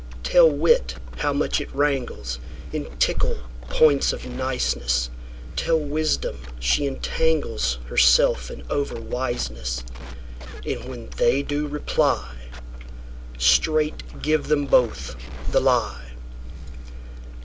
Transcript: Tell wit how much it wranglesIn tickle points of niceness; Tell wisdom she entanglesHerself in over wiseness:And when they do reply, Straight give them both the lie.